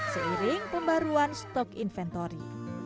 seiring pembaruan stok inventory